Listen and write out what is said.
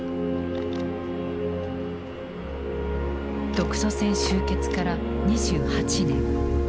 独ソ戦終結から２８年。